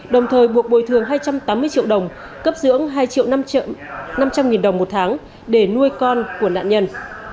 đồng thời buộc bồi thường hai trăm tám mươi triệu đồng cấp dưỡng hai triệu năm trăm linh nghìn đồng một tháng để nuôi con của nạn nhân